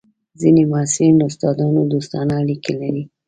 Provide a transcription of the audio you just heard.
ځینې محصلین له استادانو دوستانه اړیکې لري.